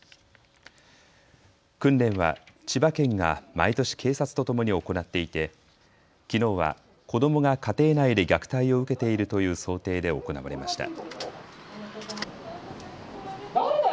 訓練は千葉県が毎年警察とともに行っていて、きのうは子どもが家庭内で虐待を受けているという想定で行われました。